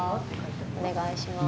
お願いします。